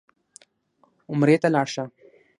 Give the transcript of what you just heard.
عمرې ته لاړ شه.